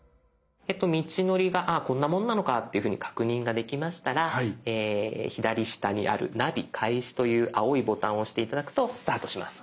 道のりがこんなもんなのかっていうふうに確認ができましたら左下にある「ナビ開始」という青いボタンを押して頂くとスタートします。